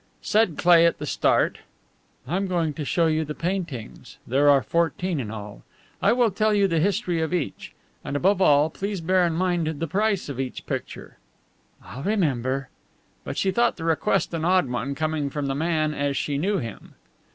Said Cleigh at the start: "I'm going to show you the paintings there are fourteen in all. I will tell you the history of each. And above all, please bear in mind the price of each picture." "I'll remember." But she thought the request an odd one, coming from the man as she knew him.